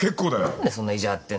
何でそんな意地張ってんだよ。